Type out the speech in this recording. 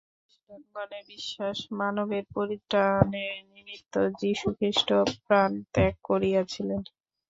খ্রীষ্টানগণের বিশ্বাস, মানবের পরিত্রাণের নিমিত্ত যীশুখ্রীষ্ট প্রাণত্যাগ করিয়াছিলেন।